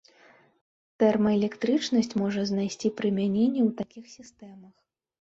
Тэрмаэлектрычнасць можа знайсці прымяненне ў такіх сістэмах.